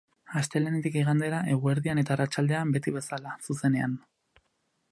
Astelehenetik igandera, eguerdian eta arratsaldean, beti bezala, zuzenean.